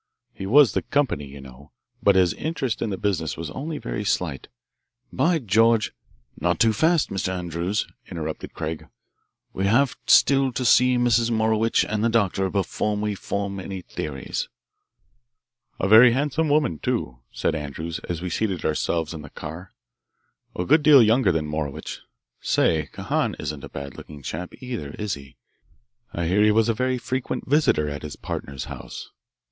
He was the 'company,' you know, but his interest in the business was only very slight. By George " "Not too fast, Mr. Andrews," interrupted Craig. "We have still to see Mrs. Morowitch and the doctor before we form any theories." "A very handsome woman, too," said Andrews, as we seated ourselves in the car: "A good deal younger than Morowitch. Say, Kahan isn't a bad looking chap, either, is he? I hear he was a very frequent visitor at his partner's house.